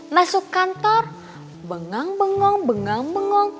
masuk kantor bengang bengong bengang bengong